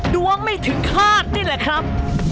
ดวงไม่ถึงคาดนี่แหละครับ